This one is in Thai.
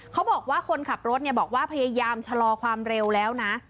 เขาบอกว่าคนขับรถบอกว่าพยายามชะลอความเร็วแล้วนะ